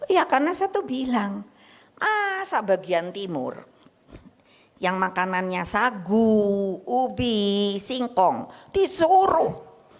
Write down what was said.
iya karena saya tuh bilang asal bagian timur yang makanannya sagu ubi singkong disuruh